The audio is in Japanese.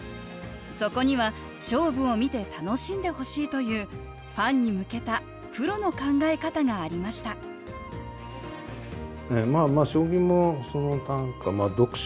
そこには勝負を見て楽しんでほしいというファンに向けたプロの考え方がありました将棋も短歌読書